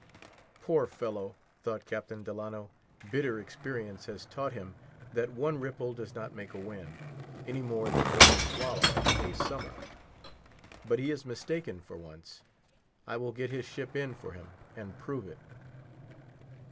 Poor fellow, thought Captain Delano, bitter experience has taught him that one ripple does not make a wind, any more than one swallow a summer. But he is mistaken for once. I will get his ship in for him, and prove it.